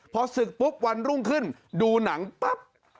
พอศึกปุ๊บวันรุ่งขึ้นดูหนังปั๊บ